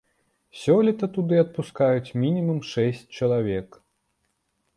Сёлета туды адпускаюць мінімум шэсць чалавек.